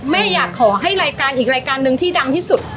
แม่อยากขอให้รายการอีกรายการหนึ่งที่ดังที่สุด